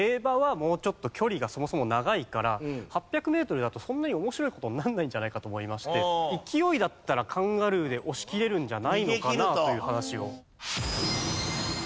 サラブレッドは８００メートルだとそんなに面白い事にならないんじゃないかと思いまして勢いだったらカンガルーで押しきれるんじゃないのかなという話を。